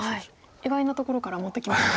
意外なところから持ってきましたね。